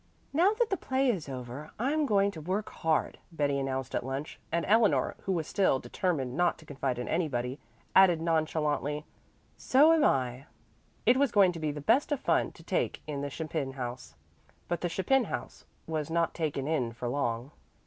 "Now that the play is over, I'm going to work hard," Betty announced at lunch, and Eleanor, who was still determined not to confide in anybody, added nonchalantly, "So am I." It was going to be the best of the fun to take in the Chapin house. But the Chapin house was not taken in for long.